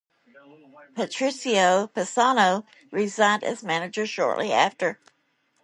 Patricio Pisano resigned as manager shortly after.